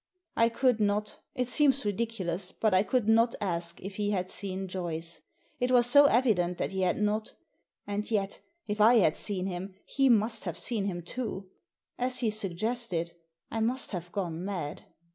I could not — it seems ridiculous, but I could not ask if he had seen Joyce. It was so evident that he had not And yet, if I had seen him, he must have seen him too. As he suggested — I must have gone mad!